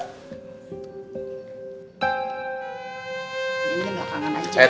ini belakangan aja